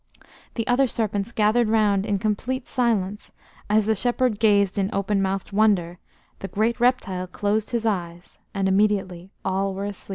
The other serpents gathered round in complete silence; as the shepherd gazed in open mouthed wonder, the great reptile closed his eyes, and immediately all were asleep.